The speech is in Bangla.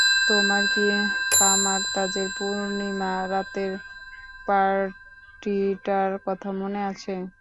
তোমার কি কামার-তাজের পূর্ণিমা রাতের পার্টিটার কথা মনে আছে?